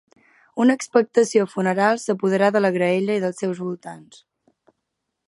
Una expectació funeral s'apoderà de la graella i dels seus voltants.